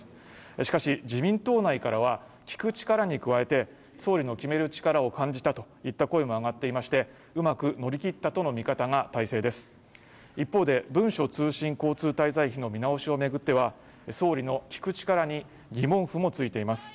しかし自民党内からは聞く力からに加えて総理の決める力を感じたといった声も上がっていましてうまく乗り切ったとの見方が大勢です一方で文書通信交通滞在費の見直しをめぐっては総理の聞く力に疑問符もついています